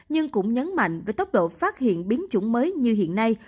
nhưng cũng nhấn mạnh với tốc độ phát hiện biến chủng mới như hiện nay